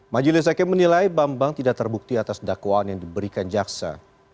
majelis hakim menilai bambang tidak terbukti atas dakwaan yang diberikan jaksa